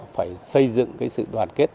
phải xây dựng cái sự đoàn kết